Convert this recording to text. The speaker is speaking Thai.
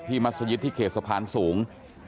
มัศยิตที่เขตสะพานสูง